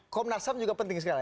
komnasam juga penting sekali